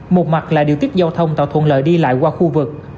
một mặt là điều tiết giao thông tạo thuận lợi đi lại qua khu vực